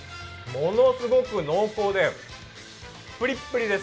ものすごく濃厚で、プリップリです。